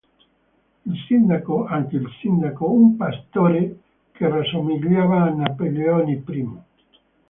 Il sindaco, anche il sindaco, un pastore che rassomigliava a Napoleone I.